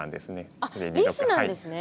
あっリスなんですね。